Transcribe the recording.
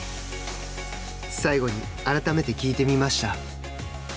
最後に、改めて聞いてみました。